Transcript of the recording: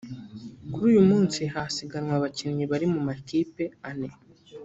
Kuri uyu munsi hasiganwe abakinnyi bari mu makipe ane